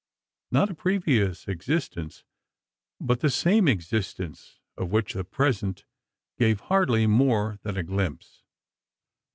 Not a previous existence, but the same existence, of which the present gave hardly more than a glimpse.